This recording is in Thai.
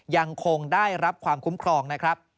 ยังคงได้รับความคุ้มครองนะครับ